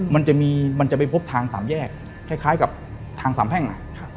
มันจะมีมันจะไปพบทางสามแยกคล้ายกับทางสามแพ่ง